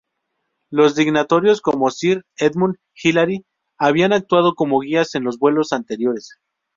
Los dignatarios como Sir Edmund Hillary habían actuado como guías en los vuelos anteriores.